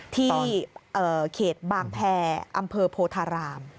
ที่เขตบางแพรอำเภอโพธาราม